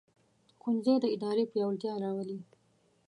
ښوونځی د ارادې پیاوړتیا راولي